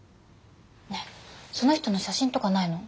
ねえその人の写真とかないの？